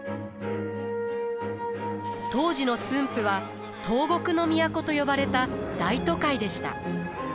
当時の駿府は東国の都と呼ばれた大都会でした。